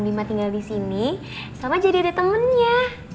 bima tinggal disini salma jadi ada temennya